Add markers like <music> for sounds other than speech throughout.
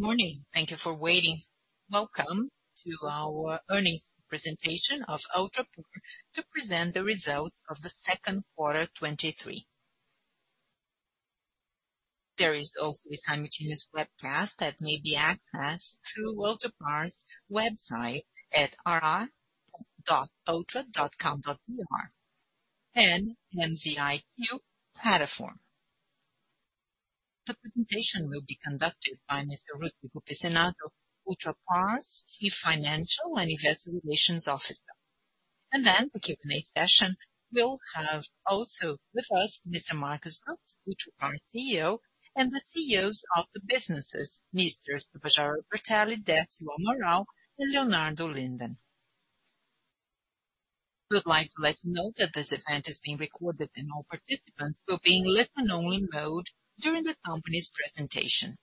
Good morning. Thank you for waiting. Welcome to our earnings presentation of Ultrapar, to present the results of the second quarter, 23. There is also a simultaneous webcast that may be accessed through Ultrapar's website at ri.ultra.com.br, and MZiQ platform. The presentation will be conducted by Mr. Rodrigo Pizzinatto, Ultrapar's Chief Financial and Investor Relations Officer. The Q&A session will have also with us, Mr. Marcos Lutz, Ultrapar CEO, and the CEOs of the businesses, Mr. Tabajara Bertelli, Décio Amaral and Leonardo Linden. We would like to let you know that this event is being recorded and all participants will be in listen-only mode during the company's presentation.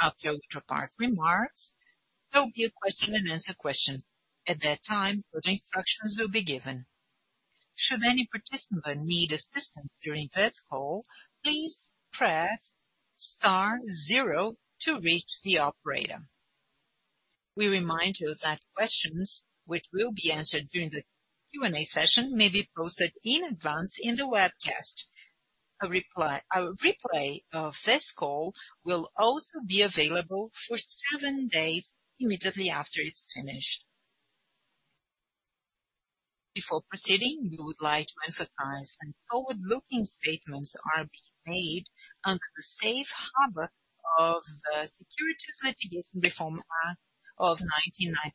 After Ultrapar's remarks, there will be a question and answer question. At that time, further instructions will be given. Should any participant need assistance during this call, please press star zero to reach the operator. We remind you that questions which will be answered during the Q&A session may be posted in advance in the webcast. A replay of this call will also be available for seven days immediately after it's finished. Before proceeding, we would like to emphasize that forward-looking statements are being made under the safe harbor of the Private Securities Litigation Reform Act of 1995.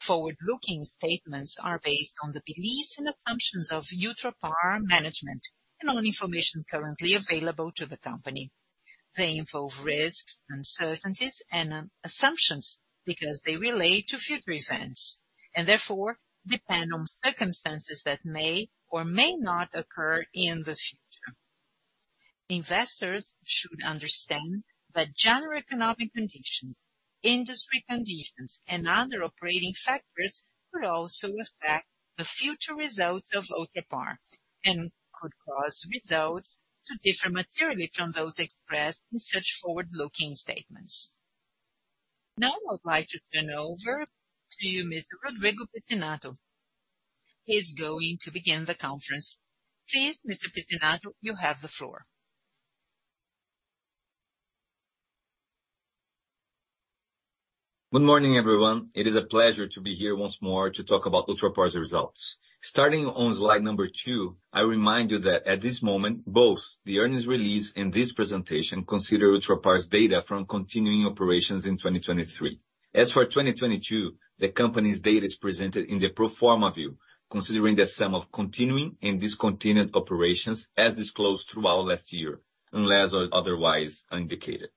Forward-looking statements are based on the beliefs and assumptions of Ultrapar management and on information currently available to the company. They involve risks, uncertainties, and assumptions, because they relate to future events, and therefore, depend on circumstances that may or may not occur in the future. Investors should understand that general economic conditions, industry conditions, and other operating factors could also affect the future results of Ultrapar, and could cause results to differ materially from those expressed in such forward-looking statements. Now, I'd like to turn over to you, Mr. Rodrigo Pizzinatto. He's going to begin the conference. Please, Mr. Pizzinatto, you have the floor. Good morning, everyone. It is a pleasure to be here once more to talk about Ultrapar's results. Starting on slide number two, I remind you that at this moment, both the earnings release and this presentation consider Ultrapar's data from continuing operations in 2023. For 2022, the company's data is presented in the pro forma view, considering the sum of continuing and discontinued operations as disclosed throughout last year, unless or otherwise indicated.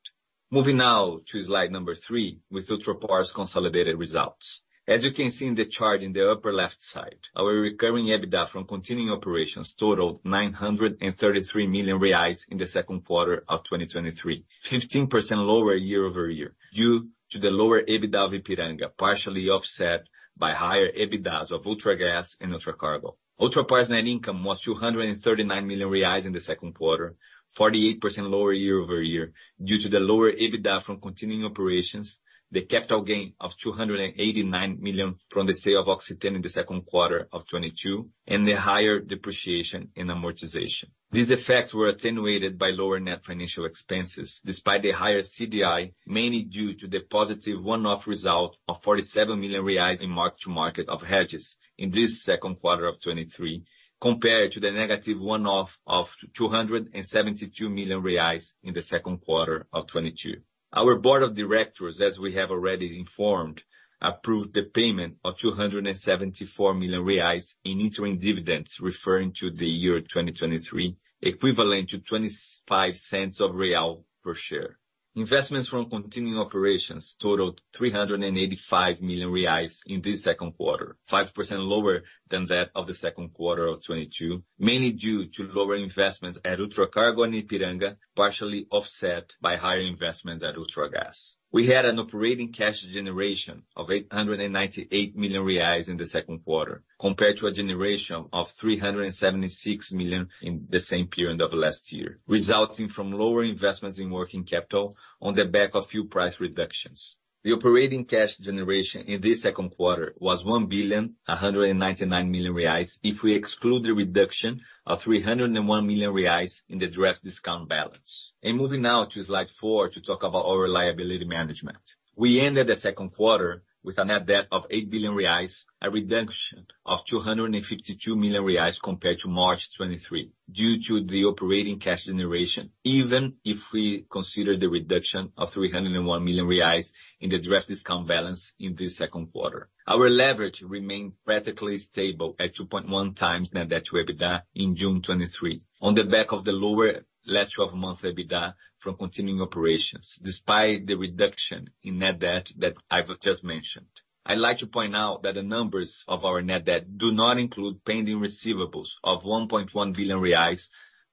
Moving now to slide number three, with Ultrapar's consolidated results. You can see in the chart in the upper left side, our recurring EBITDA from continuing operations totaled 933 million reais in the second quarter of 2023, 15% lower year-over-year, due to the lower EBITDA in Ipiranga, partially offset by higher EBITDA of Ultragaz and Ultracargo. Ultrapar's net income was 239 million reais in the second quarter, 48% lower year-over-year, due to the lower EBITDA from continuing operations, the capital gain of 289 million from the sale of Oxiteno in the second quarter of 2022, and the higher depreciation and amortization. These effects were attenuated by lower net financial expenses, despite the higher CDI, mainly due to the positive one-off result of 47 million reais in mark-to-market of hedges in this second quarter of 2023, compared to the negative one-off of 272 million reais in the second quarter of 2022. Our board of directors, as we have already informed, approved the payment of 274 million reais in interim dividends, referring to the year 2023, equivalent to 0.25 per share. Investments from continuing operations totaled 385 million reais in this second quarter, 5% lower than that of the second quarter of 2022, mainly due to lower investments at Ultracargo and Ipiranga, partially offset by higher investments at Ultragaz. We had an operating cash generation of 898 million reais in the second quarter, compared to a generation of 376 million in the same period of last year, resulting from lower investments in working capital on the back of fuel price reductions. The operating cash generation in the second quarter was 1,199 million reais, if we exclude the reduction of 301 million reais in the draft discount balance. Moving now to slide four to talk about our liability management. We ended the second quarter with a net debt of 8 billion reais, a reduction of 252 million reais compared to March 2023, due to the operating cash generation, even if we consider the reduction of 301 million reais in the draft discount balance in the second quarter. Our leverage remained practically stable at 2.1x net debt to EBITDA in June 2023, on the back of the lower last twelve month EBITDA from continuing operations, despite the reduction in net debt that I've just mentioned. I'd like to point out that the numbers of our net debt do not include pending receivables of 1.1 billion reais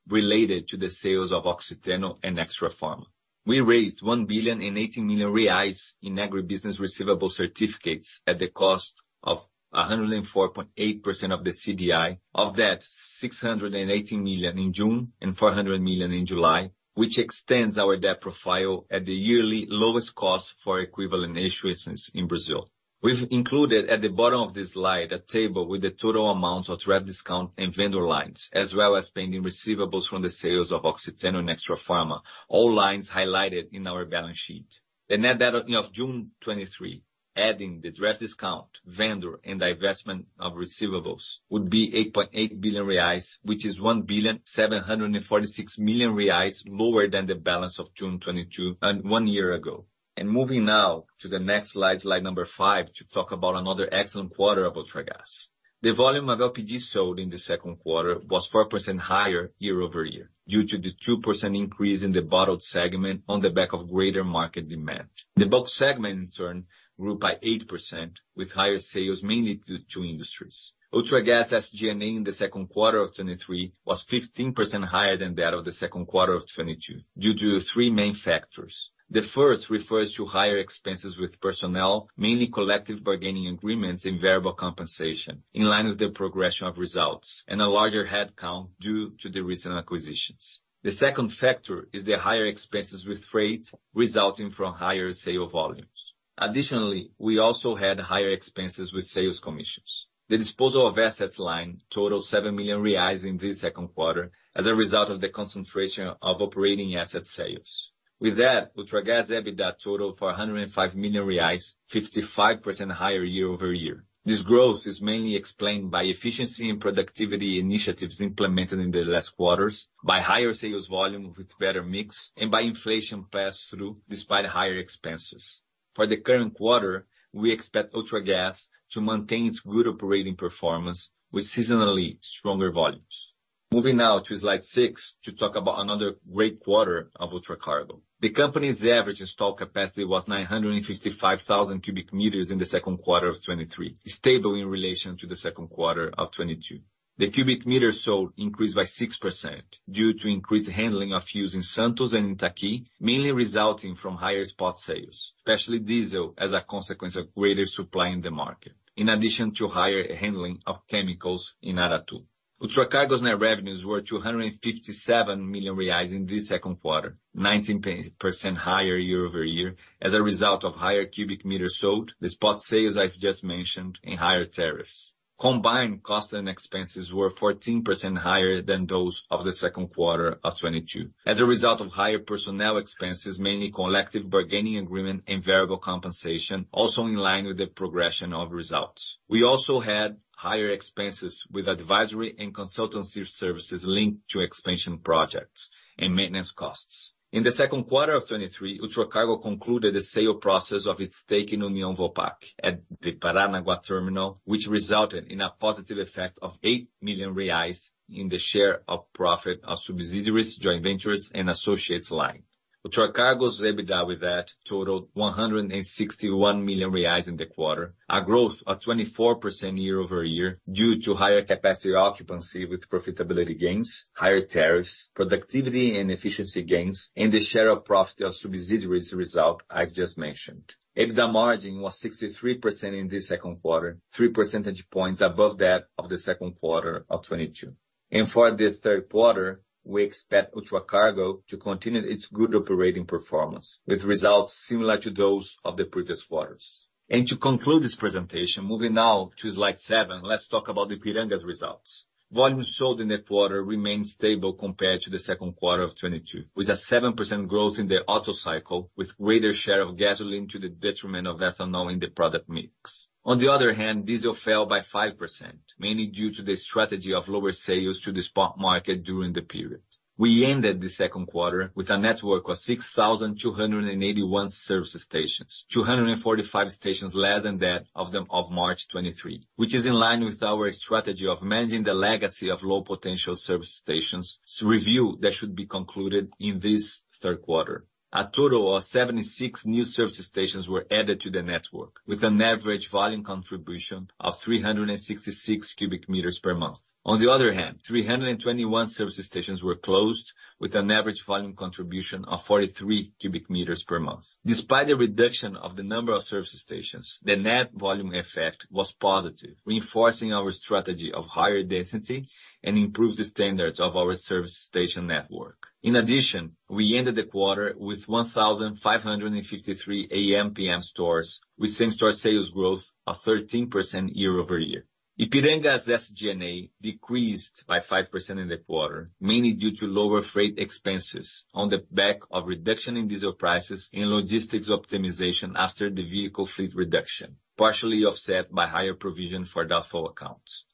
related to the sales of Oxiteno and Extrafarma. We raised 1.08 billion in agribusiness receivable certificates at the cost of 104.8% of the CDI. Of that, 680 million in June and 400 million in July, which extends our debt profile at the yearly lowest cost for equivalent issuances in Brazil. We've included at the bottom of this slide, a table with the total amount of draft discount and vendor lines, as well as pending receivables from the sales of Oxiteno and Extrafarma, all lines highlighted in our balance sheet. The net data of June 2023, adding the draft discount, vendor, and divestment of receivables, would be 8.8 billion reais, which is 1.746 billion, lower than the balance of June 2022 and one year ago. Moving now to the next slide, slide number five, to talk about another excellent quarter of Ultragaz. The volume of LPG sold in the second quarter was 4% higher year-over-year, due to the 2% increase in the bottled segment on the back of greater market demand. The bulk segment, in turn, grew by 8%, with higher sales, mainly due to industries. Ultragaz SG&A in the second quarter of 2023 was 15% higher than that of the second quarter of 2022, due to three main factors. The first refers to higher expenses with personnel, mainly collective bargaining agreements and variable compensation, in line with the progression of results, and a larger headcount due to the recent acquisitions. The second factor is the higher expenses with freight, resulting from higher sale volumes. Additionally, we also had higher expenses with sales commissions. The disposal of assets line totaled 7 million reais in this second quarter, as a result of the concentration of operating asset sales. With that, Ultragaz EBITDA totaled 405 million reais, 55% higher year-over-year. This growth is mainly explained by efficiency and productivity initiatives implemented in the last quarters, by higher sales volume with better mix, and by inflation passed through despite higher expenses. For the current quarter, we expect Ultragaz to maintain its good operating performance with seasonally stronger volumes. Moving now to slide six, to talk about another great quarter of Ultracargo. The company's average install capacity was 955,000 cubic meters in the second quarter of 2023, stable in relation to the second quarter of 2022. The cubic meters sold increased by 6% due to increased handling of fuels in Santos and Itaqui, mainly resulting from higher spot sales, especially diesel, as a consequence of greater supply in the market, in addition to higher handling of chemicals in Aratu. Ultracargo's net revenues were 257 million reais in this second quarter, 19% higher year-over-year, as a result of higher cubic meters sold, the spot sales I've just mentioned, and higher tariffs. Combined costs and expenses were 14% higher than those of the second quarter of 2022. As a result of higher personnel expenses, mainly collective bargaining agreement and variable compensation, also in line with the progression of results. We also had higher expenses with advisory and consultancy services linked to expansion projects and maintenance costs. In the second quarter of 2023, Ultracargo concluded a sale process of its stake in União Vopak at the Paranaguá terminal, which resulted in a positive effect of 8 million reais in the share of profit of subsidiaries, joint ventures, and associates line. Ultracargo's EBITDA with that totaled 161 million reais in the quarter, a growth of 24% year-over-year, due to higher capacity occupancy with profitability gains, higher tariffs, productivity and efficiency gains, and the share of profit of subsidiaries result I've just mentioned. EBITDA margin was 63% in the second quarter, three percentage points above that of the second quarter of 2022. For the third quarter, we expect Ultracargo to continue its good operating performance, with results similar to those of the previous quarters. To conclude this presentation, moving now to slide seven, let's talk about Ipiranga's results. Volumes sold in the quarter remained stable compared to the second quarter of 2022, with a 7% growth in the auto cycle, with greater share of gasoline to the detriment of ethanol in the product mix. On the other hand, diesel fell by 5%, mainly due to the strategy of lower sales to the spot market during the period. We ended the second quarter with a network of 6,281 service stations, 245 stations less than that of March 2023, which is in line with our strategy of managing the legacy of low-potential service stations' review that should be concluded in this third quarter. A total of 76 new service stations were added to the network, with an average volume contribution of 366 cubic meters per month. On the other hand, 321 service stations were closed, with an average volume contribution of 43 cubic meters per month. Despite the reduction of the number of service stations, the net volume effect was positive, reinforcing our strategy of higher density and improve the standards of our service station network. In addition, we ended the quarter with 1,553 ampm stores, with same-store sales growth of 13% year-over-year. Ipiranga's SG&A decreased by 5% in the quarter, mainly due to lower freight expenses on the back of reduction in diesel prices and logistics optimization after the vehicle fleet reduction, partially offset by higher provision for doubtful accounts.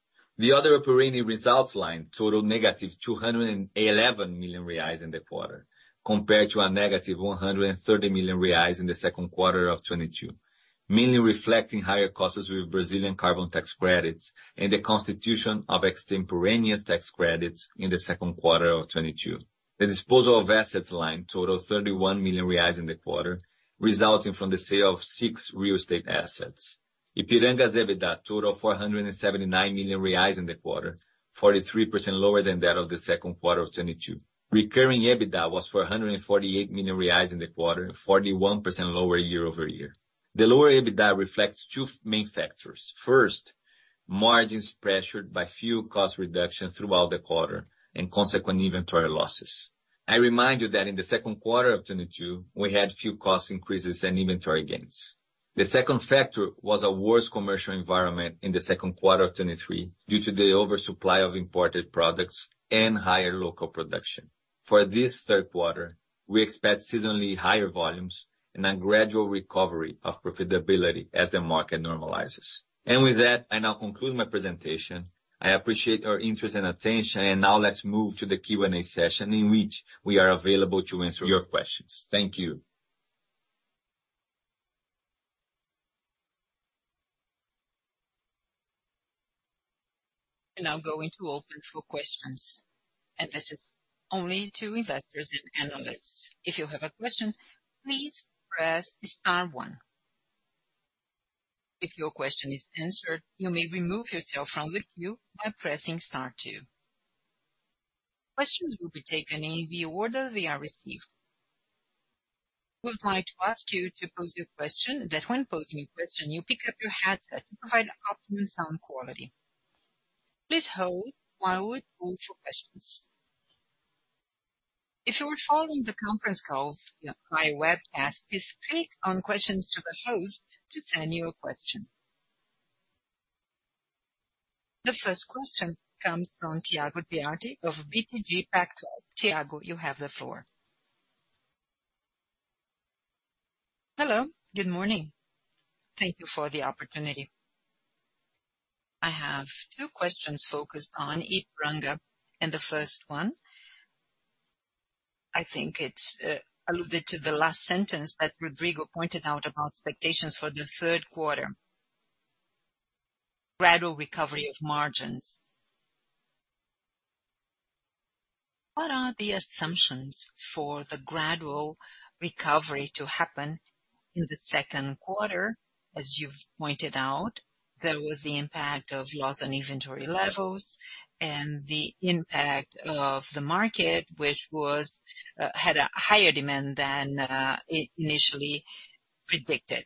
The other operating results line totaled negative 211 million reais in the quarter, compared to a negative 130 million reais in the second quarter of 2022, mainly reflecting higher costs with Brazilian carbon tax credits and the constitution of extemporaneous tax credits in the second quarter of 2022. The disposal of assets line totaled 31 million reais in the quarter, resulting from the sale of six real estate assets. Ipiranga's EBITDA totaled 479 million reais in the quarter, 43% lower than that of the second quarter of 2022. Recurring EBITDA was 448 million reais in the quarter, 41% lower year-over-year. The lower EBITDA reflects two main factors. First, margins pressured by fuel cost reduction throughout the quarter and consequent inventory losses. I remind you that in the second quarter of 2022, we had few cost increases and inventory gains. The second factor was a worse commercial environment in the second quarter of 2023, due to the oversupply of imported products and higher local production. For this third quarter, we expect seasonally higher volumes and a gradual recovery of profitability as the market normalizes. With that, I now conclude my presentation. I appreciate your interest and attention, and now let's move to the Q&A session, in which we are available to answer your questions. Thank you. Now going to open for questions, and this is only to investors and analysts. If you have a question, please press star one. If your question is answered, you may remove yourself from the queue by pressing star two. Questions will be taken in the order they are received. We'd like to ask you to pose your question, and that when posing your question, you pick up your headset to provide optimal sound quality. Please hold while we wait for questions. If you are following the conference call via webcast, just click on Questions to the Host to send your question. The first question comes from Thiago Duarte of BTG Pactual. Thiago, you have the floor. Hello, good morning. Thank you for the opportunity. I have two questions focused on Ipiranga, and the first one, I think it's alluded to the last sentence that Rodrigo pointed out about expectations for the third quarter, gradual recovery of margins. What are the assumptions for the gradual recovery to happen in the second quarter? As you've pointed out, there was the impact of loss on inventory levels and the impact of the market, which was, had a higher demand than initially predicted.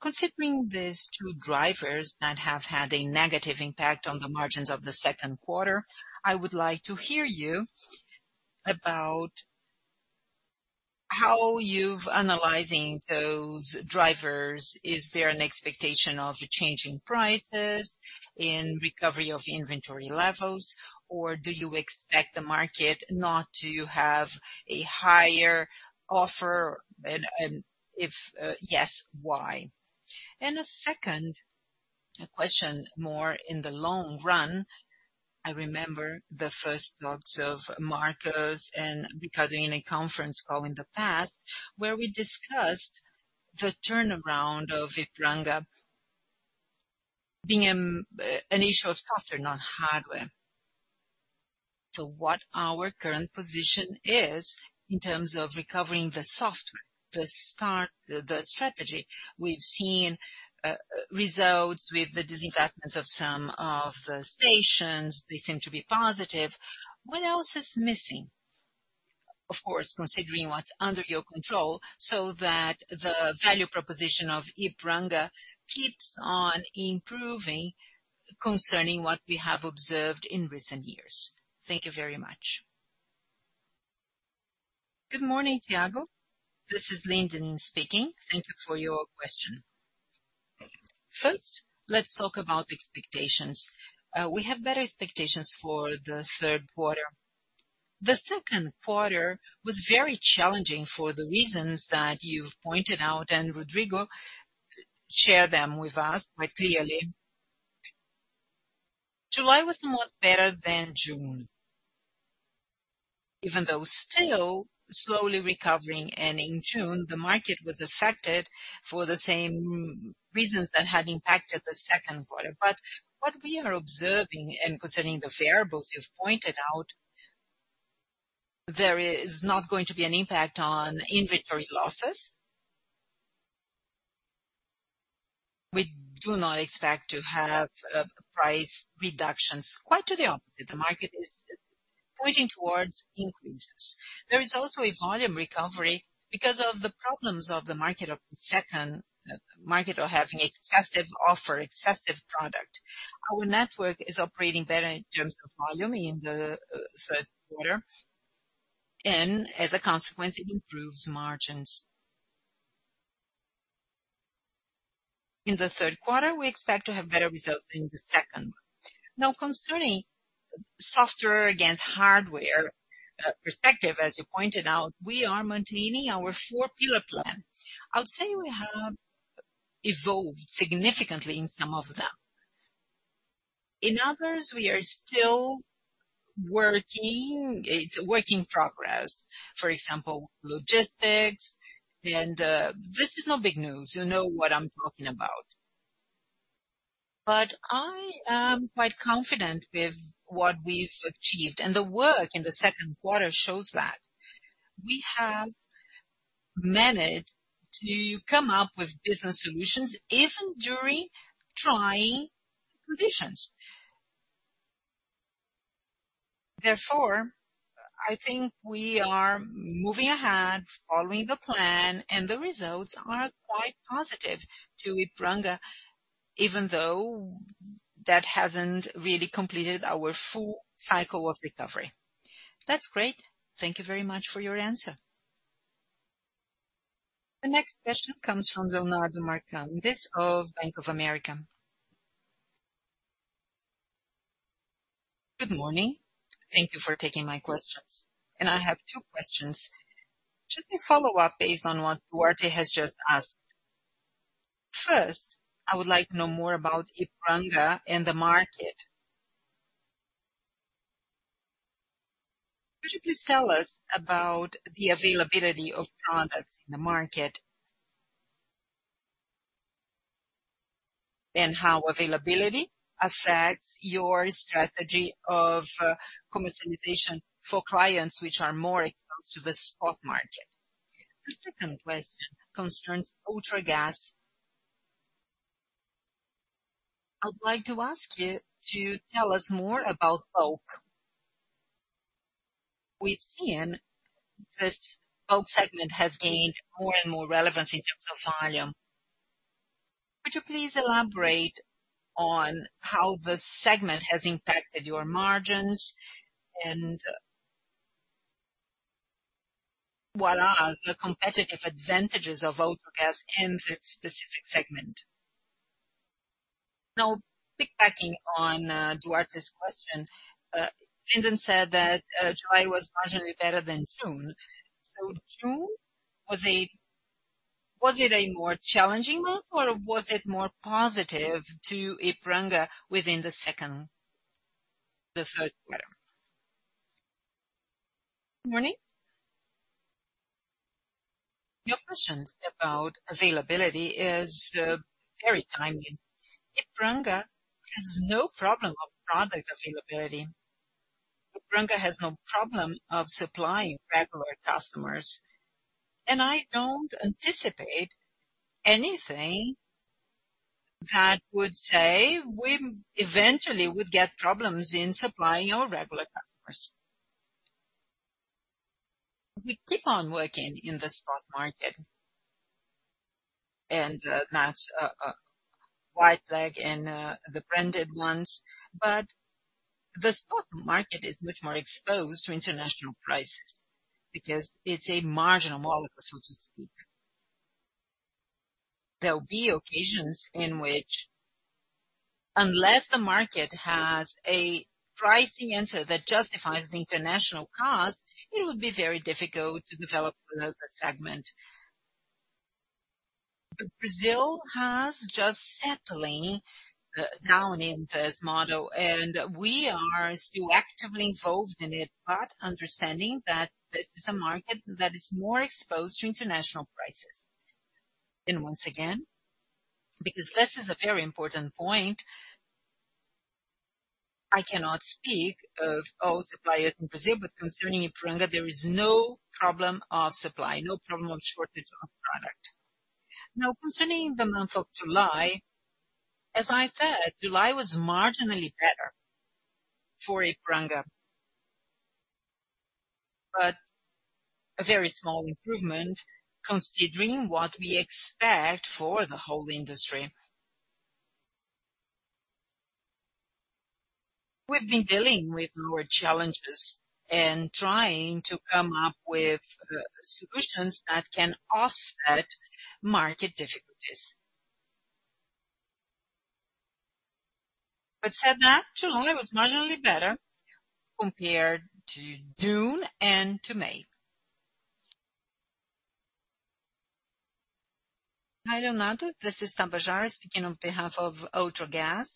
Considering these two drivers that have had a negative impact on the margins of the second quarter, I would like to hear you about how you've analyzing those drivers. Is there an expectation of a change in prices, in recovery of inventory levels, or do you expect the market not to have a higher offer? And if, yes, why? A second question, more in the long run, I remember the first notes of Marcos and Ricardo in a conference call in the past, where we discussed the turnaround of Ipiranga being an issue of software, not hardware. What our current position is in terms of recovering the software, the start, the strategy? We've seen results with the disinvestment of some of the stations. They seem to be positive. What else is missing? Of course, considering what's under your control, so that the value proposition of Ipiranga keeps on improving concerning what we have observed in recent years. Thank you very much. Good morning, Thiago. This is Linden speaking. Thank you for your question. First, let's talk about expectations. We have better expectations for the third quarter. The second quarter was very challenging for the reasons that you've pointed out. Rodrigo shared them with us quite clearly. July was much better than June, even though still slowly recovering. In June, the market was affected for the same reasons that had impacted the second quarter. What we are observing, and concerning the variables you've pointed out, there is not going to be an impact on inventory losses. We do not expect to have price reductions. Quite to the opposite, the market is pointing towards increases. There is also a volume recovery because of the problems of the market of having excessive offer, excessive product. Our network is operating better in terms of volume in the third quarter, and as a consequence, it improves margins. In the third quarter, we expect to have better results than the second. Now, concerning software against hardware perspective, as you pointed out, we are maintaining our four-pillar plan. I would say we have evolved significantly in some of them. In others, we are still working. It's a work in progress, for example, logistics and this is not big news. You know what I'm talking about. But I am quite confident with what we've achieved, and the work in the second quarter shows that. We have managed to come up with business solutions, even during trying conditions. Therefore, I think we are moving ahead, following the plan, and the results are quite positive to Ipiranga, even though that hasn't really completed our full cycle of recovery. That's great. Thank you very much for your answer. The next question comes from Leonardo Marcondes, this of Bank of America. Good morning. Thank you for taking my questions. I have two questions. Just a follow-up based on what Duarte has just asked. First, I would like to know more about Ipiranga and the market. Could you please tell us about the availability of products in the market? How availability affects your strategy of commercialization for clients, which are more exposed to the spot market. The second question concerns Ultragaz. I'd like to ask you to tell us more about bulk. We've seen this bulk segment has gained more and more relevance in terms of volume. Could you please elaborate on how this segment has impacted your margins? What are the competitive advantages of Ultragaz in this specific segment? Now, piggybacking on Duarte's question, Linden said that July was marginally better than June. June, was it a more challenging month, or was it more positive to Ipiranga within the second, the third quarter? Morning! Your question about availability is very timely. Ipiranga has no problem of product availability. Ipiranga has no problem of supplying regular customers. I don't anticipate anything that would say we eventually would get problems in supplying our regular customers. We keep on working in the spot market, that's White Flag and the branded ones. The spot market is much more exposed to international prices because it's a marginal model, so to speak. There will be occasions in which, unless the market has a pricing answer that justifies the international cost, it will be very difficult to develop another segment. Brazil has just settling down in this model, and we are still actively involved in it, but understanding that this is a market that is more exposed to international prices. Once again, because this is a very important point, I cannot speak of all suppliers in Brazil, but concerning Ipiranga, there is no problem of supply, no problem of shortage of product. Concerning the month of July, as I said, July was marginally better for Ipiranga, but a very small improvement, considering what we expect for the whole industry. We've been dealing with lower challenges and trying to come up with solutions that can offset market difficulties. Said that, July was marginally better compared to June and to May. Hi, Leonardo, this is Tabajara Bertelli, speaking on behalf of Ultragaz,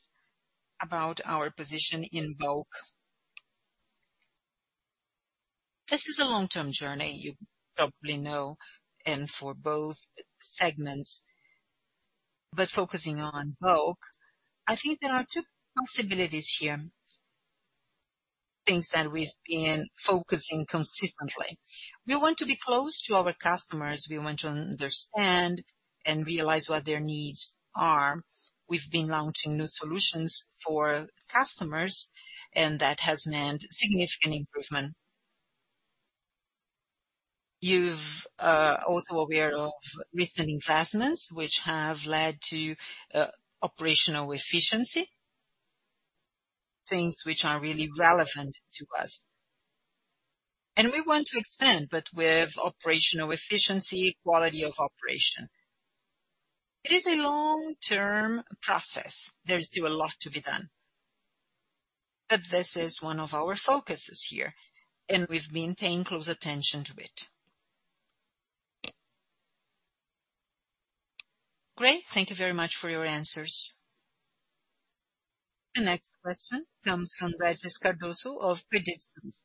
about our position in bulk. This is a long-term journey, you probably know, and for both segments, but focusing on bulk, I think there are two possibilities here, things that we've been focusing consistently. We want to be close to our customers, we want to understand and realize what their needs are. We've been launching new solutions for customers, that has meant significant improvement. You've also aware of recent investments which have led to operational efficiency, things which are really relevant to us. We want to expand, but with operational efficiency, quality of operation. It is a long-term process. There's still a lot to be done, but this is one of our focuses here, we've been paying close attention to it. Great. Thank you very much for your answers. The next question comes from Regis Cardoso of Predictance.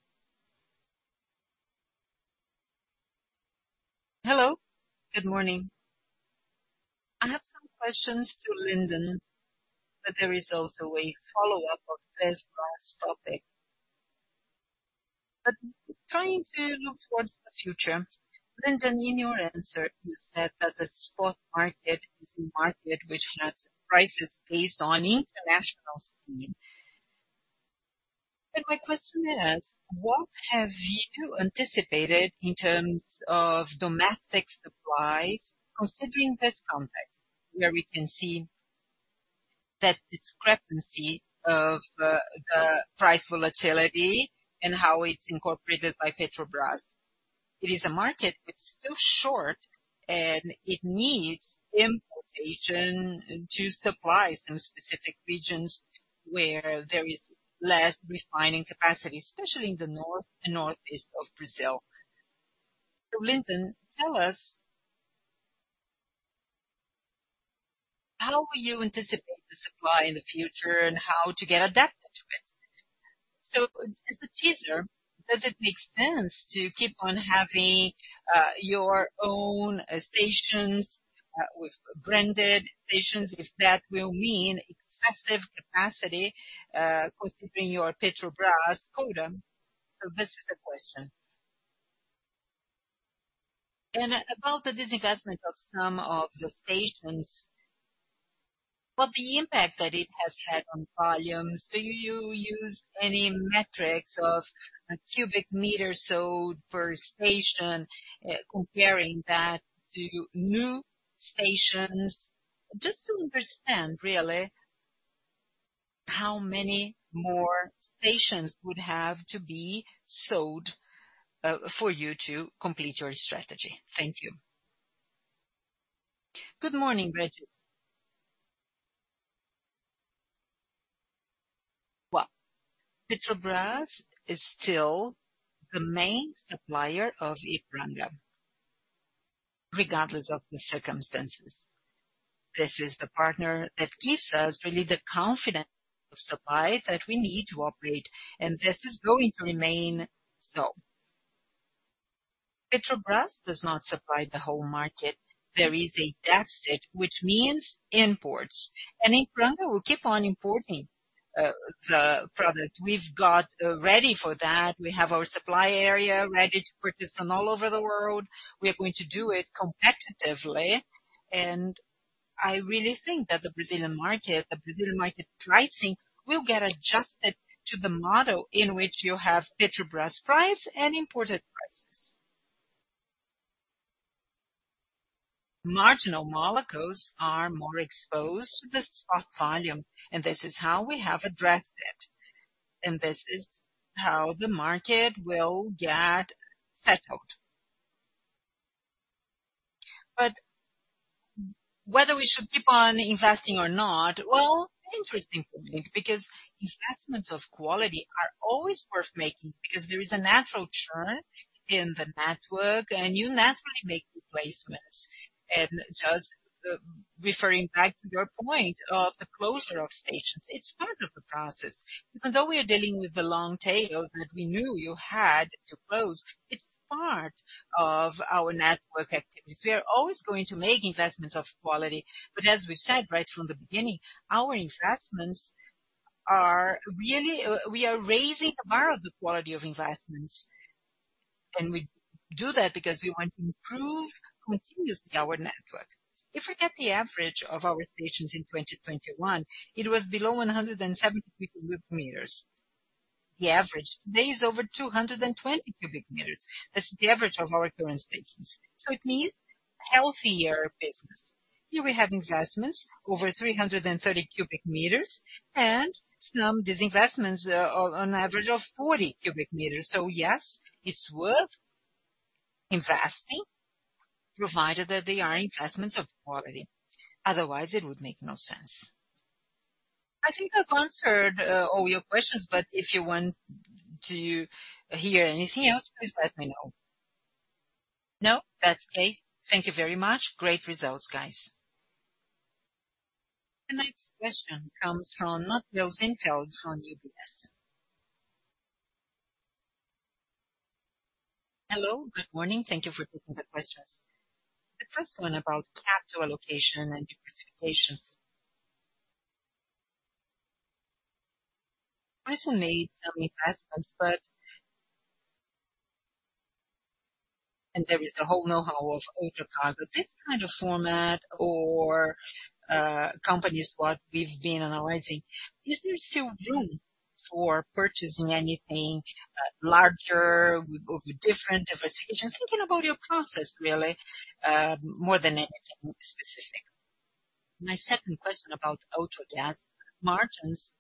Hello, good morning. I have some questions to Linden. There is also a follow-up of this last topic. Trying to look towards the future, Linden, in your answer, you said that the spot market is a market which has prices based on international scene. My question is, what have you anticipated in terms of domestic supply, considering this context, where we can see that discrepancy of the price volatility and how it's incorporated by Petrobras? It is a market that's still short, and it needs importation to supply some specific regions where there is less refining capacity, especially in the north and northeast of Brazil. Linden, tell us, how will you anticipate the supply in the future and how to get adapted to it? As a teaser, does it make sense to keep on having your own stations with branded stations, if that will mean excessive capacity, considering your Petrobras quota? This is the question. About the disinvestment of some of the stations, what the impact that it has had on volumes, do you use any metrics of a cubic meter sold per station, comparing that to new stations? Just to understand, really, how many more stations would have to be sold for you to complete your strategy. Thank you. Good morning, Regis. Petrobras is still the main supplier of Ipiranga, regardless of the circumstances. This is the partner that gives us really the confidence of supply that we need to operate, and this is going to remain so. Petrobras does not supply the whole market. There is a deficit, which means imports, and Ipiranga will keep on importing the product. We've got ready for that. We have our supply area ready to purchase from all over the world. We are going to do it competitively, and I really think that the Brazilian market, the Brazilian market pricing, will get adjusted to the model in which you have Petrobras price and imported prices. Marginal molecules are more exposed to the spot volume, and this is how we have addressed it, and this is how the market will get settled. Whether we should keep on investing or not, well, interesting point, because investments of quality are always worth making, because there is a natural churn in the network, and you naturally make replacements. Just referring back to your point of the closure of stations, it's part of the process. Even though we are dealing with the long tail that we knew you had to close, it's part of our network activities. We are always going to make investments of quality, but as we've said, right from the beginning, our investments are really, we are raising the bar of the quality of investments. We do that because we want to improve continuously our network. If we get the average of our stations in 2021, it was below 170 cubic meters. The average today is over 220 cubic meters. That's the average of our current stations. It means healthier business. Here we have investments over 330 cubic meters and some disinvestments, on average of 40 cubic meters. Yes, it's worth investing, provided that they are investments of quality. Otherwise, it would make no sense. I think I've answered all your questions, but if you want to hear anything else, please let me know. No, that's okay. Thank you very much. Great results, guys. The next question comes from Matheus Enfeldt, from UBS. Hello, good morning. Thank you for taking the questions. The first one about capital allocation and diversification. Recently, some investments. There is the whole know-how of Ultragaz. This kind of format or companies, what we've been analyzing, is there still room for purchasing anything larger, with different diversifications? Thinking about your process, really, more than anything specific. My second question about Ultragaz. Margins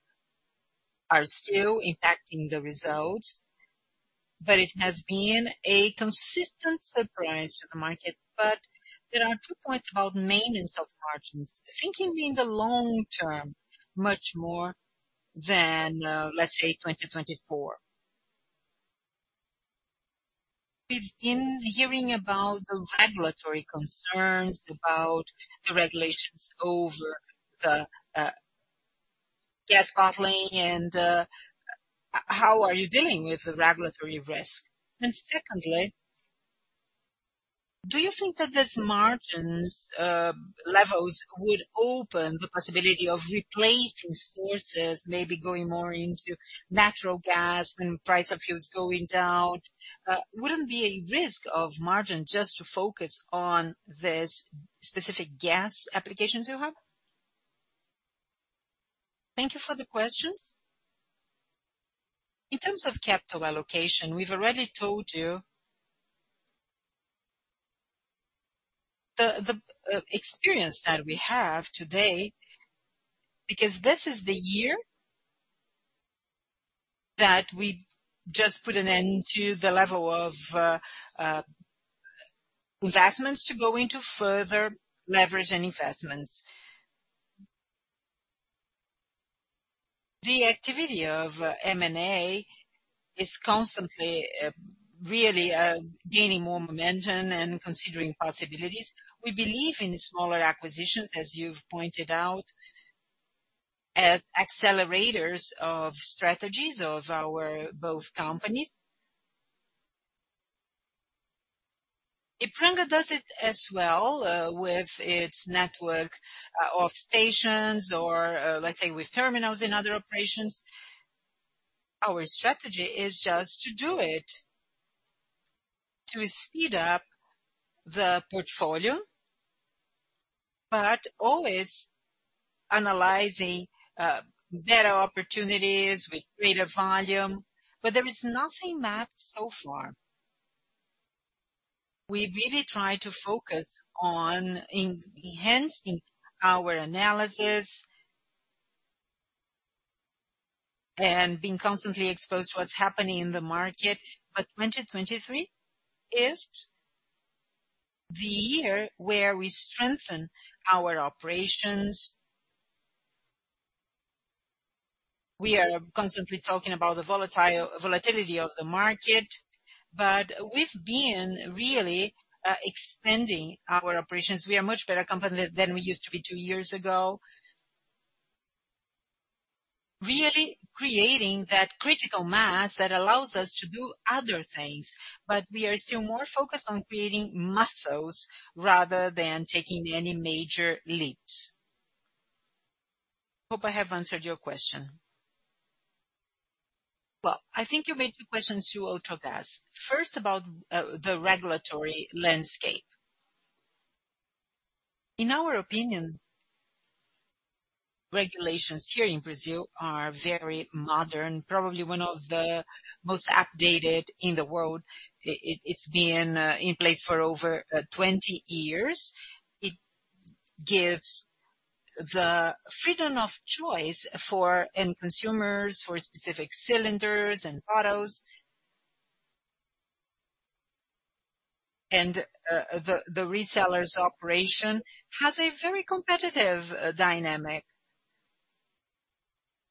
are still impacting the results, but it has been a consistent surprise to the market. There are two points about maintenance of margins, thinking in the long term, much more than, let's say, 2024. We've been hearing about the regulatory concerns, about the regulations over the gas bottling and how are you dealing with the regulatory risk? Secondly, do you think that these margins levels would open the possibility of replacing sources, maybe going more into natural gas when price of fuels going down? Wouldn't be a risk of margin just to focus on this specific gas applications you have? Thank you for the questions. In terms of capital allocation, we've already told you the, the experience that we have today, because this is the year that we just put an end to the level of investments to go into further leverage and investments. The activity of M&A is constantly, really, gaining more momentum and considering possibilities. We believe in smaller acquisitions, as you've pointed out, as accelerators of strategies of our both companies. Ipiranga does it as well, with its network of stations or, let's say with terminals in other operations. Our strategy is just to do it, to speed up the portfolio, but always analyzing better opportunities with greater volume. There is nothing mapped so far. We really try to focus on enhancing our analysis and being constantly exposed to what's happening in the market. 2023 is the year where we strengthen our operations. We are constantly talking about the volatile- volatility of the market, but we've been really expanding our operations. We are a much better company than we used to be two years ago. Really creating that critical mass that allows us to do other things, we are still more focused on creating muscles rather than taking any major leaps. Hope I have answered your question. Well, I think you made two questions to Ultragaz. First, about the regulatory landscape. In our opinion, regulations here in Brazil are very modern, probably one of the most updated in the world. It, it's been in place for over 20 years. It gives the freedom of choice for end consumers, for specific cylinders and autos. The, the resellers' operation has a very competitive dynamic.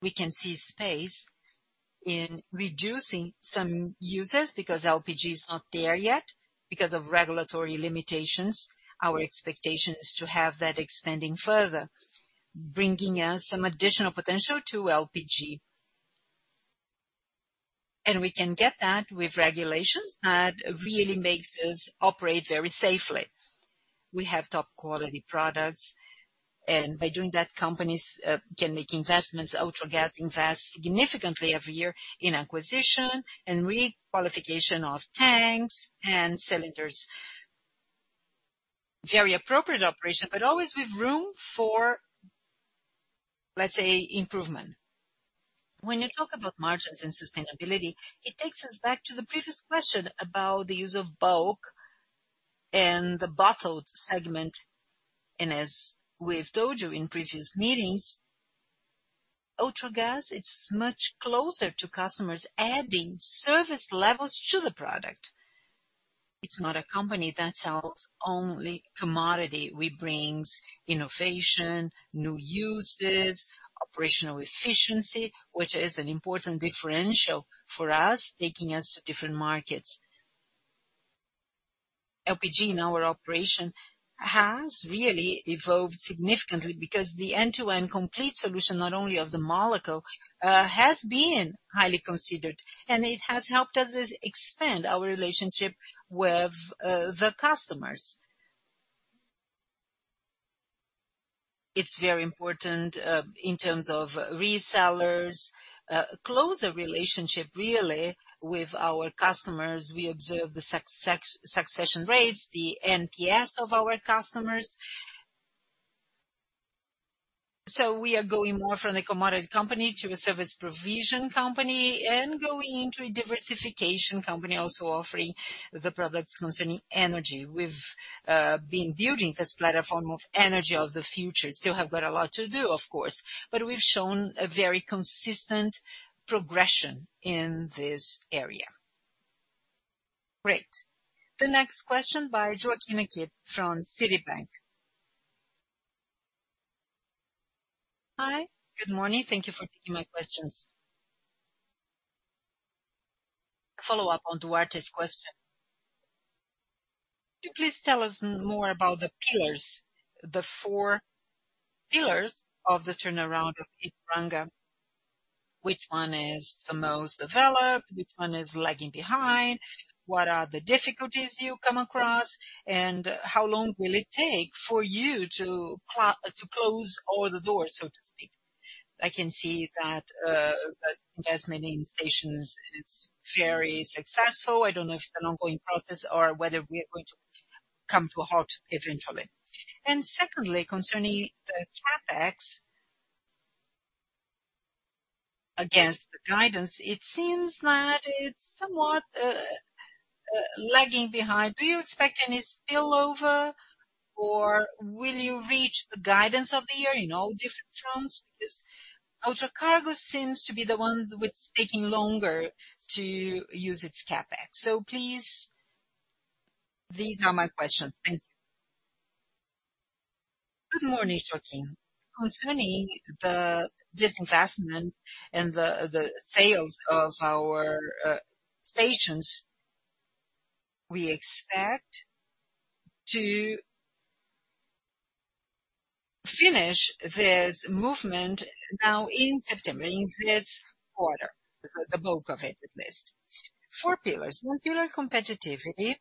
We can see space in reducing some users because LPG is not there yet, because of regulatory limitations. Our expectation is to have that expanding further, bringing us some additional potential to LPG. We can get that with regulations, and it really makes us operate very safely. We have top-quality products, by doing that, companies can make investments. Ultragaz invests significantly every year in acquisition and requalification of tanks and cylinders. Very appropriate operation, always with room for, let's say, improvement. When you talk about margins and sustainability, it takes us back to the previous question about the use of bulk and the bottled segment, as we've told you in previous meetings, Ultragaz is much closer to customers adding service levels to the product. It's not a company that sells only commodity. We brings innovation, new uses, operational efficiency, which is an important differential for us, taking us to different markets. LPG in our operation has really evolved significantly because the end-to-end complete solution, not only of the molecule, has been highly considered, it has helped us expand our relationship with the customers. It's very important, in terms of resellers, closer relationship, really, with our customers. We observe the succession rates, the NPS of our customers. We are going more from a commodity company to a service provision company and going into a diversification company, also offering the products concerning energy. We've been building this platform of energy of the future. Still have got a lot to do, of course, we've shown a very consistent progression in this area. Great. The next question by <inaudible> from Citibank. Hi, good morning. Thank you for taking my questions. Follow-up on Thiago Duarte's question. Could you please tell us more about the pillars, the four pillars of the turnaround of Ipiranga? Which one is the most developed, which one is lagging behind? What are the difficulties you come across, and how long will it take for you to close all the doors, so to speak? I can see that the investment in stations is very successful. I don't know if it's an ongoing process or whether we are going to come to a halt differently. Secondly, concerning the CapEx, against the guidance, it seems that it's somewhat lagging behind. Do you expect any spillover, or will you reach the guidance of the year in all different fronts? Because Ultracargo seems to be the one which is taking longer to use its CapEx. Please, these are my questions. Thank you. Good morning, Joaquin. Concerning the disinvestment and the sales of our stations, we expect to finish this movement now in September, in this quarter, the bulk of it, at least. Four pillars. One pillar, competitivity.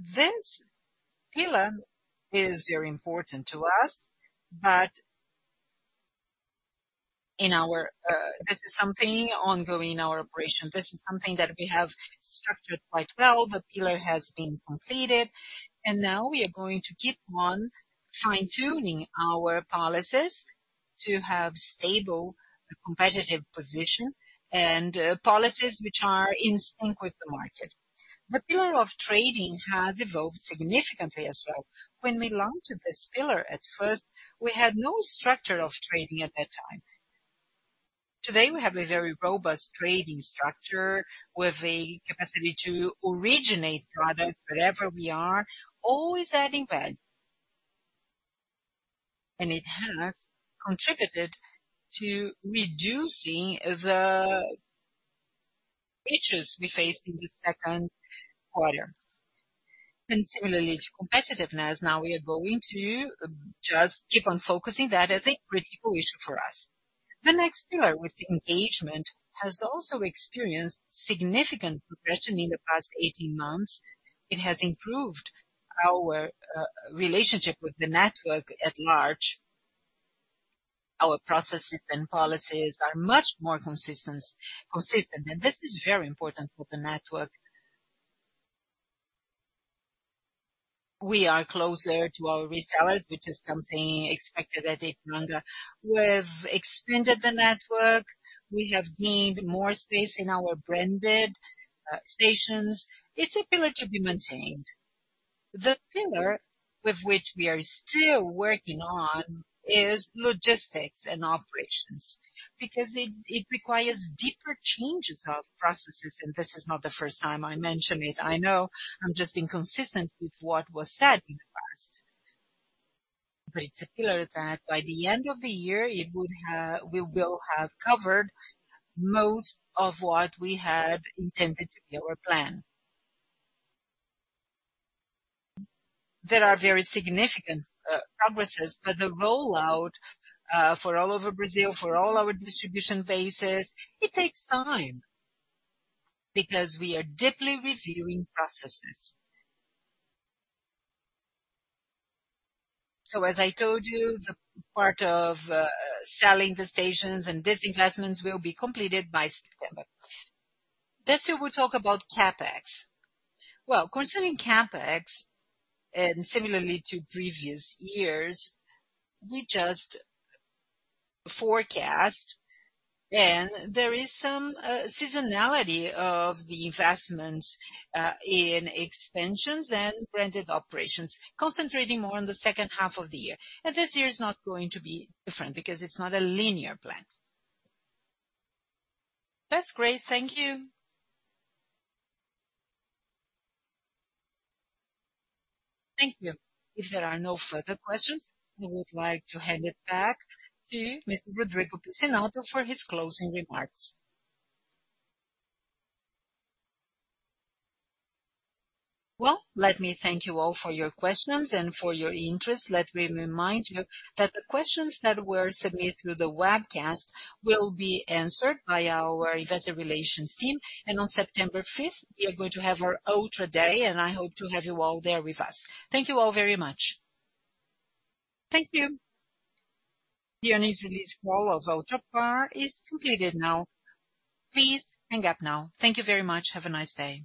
This pillar is very important to us, but in our, this is something ongoing in our operation. This is something that we have structured quite well. The pillar has been completed, and now we are going to keep on fine-tuning our policies to have stable competitive position and policies which are in sync with the market. The pillar of trading has evolved significantly as well. When we launched this pillar at first, we had no structure of trading at that time. Today, we have a very robust trading structure with the capacity to originate products wherever we are, always adding value. It has contributed to reducing the issues we faced in the second quarter. Similarly to competitiveness, now we are going to just keep on focusing that as a critical issue for us. The next pillar, with engagement, has also experienced significant progression in the past 18 months. It has improved our relationship with the network at large. Our processes and policies are much more consistent, and this is very important for the network. We are closer to our resellers, which is something expected at Ipiranga. We've expanded the network. We have gained more space in our branded stations. It's a pillar to be maintained. The pillar with which we are still working on is logistics and operations, because it, it requires deeper changes of processes, and this is not the first time I mention it, I know. I'm just being consistent with what was said in the past. It's clear that by the end of the year, we will have covered most of what we had intended to be our plan. There are very significant progresses, but the rollout for all over Brazil, for all our distribution bases, it takes time because we are deeply reviewing processes. As I told you, the part of selling the stations and disinvestments will be completed by September. Let's hear we talk about CapEx. Concerning CapEx, similarly to previous years, we just forecast, there is some seasonality of the investments in expansions and branded operations, concentrating more on the second half of the year. This year is not going to be different, because it's not a linear plan. That's great. Thank you. Thank you. If there are no further questions, I would like to hand it back to Mr. Rodrigo Pizzinatto for his closing remarks. Let me thank you all for your questions and for your interest. Let me remind you that the questions that were submitted through the webcast will be answered by our investor relations team. On September 5th, we are going to have our Ultra Day, and I hope to have you all there with us. Thank you all very much. Thank you. The earnings release call of Ultrapar is completed now. Please hang up now. Thank you very much. Have a nice day.